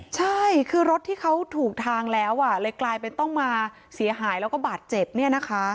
ใช่คือรถที่เขาถูกทางแล้วอ่ะเลยกลายเป็นต้องมาเสียหายแล้วก็บาดเจ็บเนี่ยนะคะ